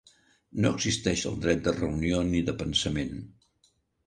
No existeix el dret de reunió ni de pensament.